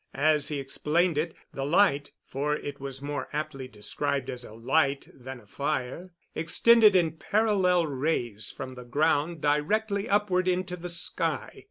As he explained it, the light for it was more aptly described as a light than a fire extended in parallel rays from the ground directly upward into the sky.